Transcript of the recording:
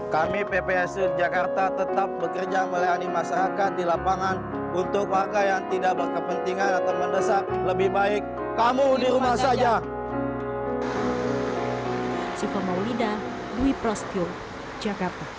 kami ppsu jakarta tetap bekerja melayani masyarakat di lapangan untuk warga yang tidak berkepentingan atau mendesak lebih baik kamu di rumah saja